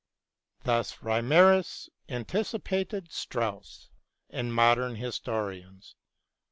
Thus Reimarus anticipated Strauss and modern historians.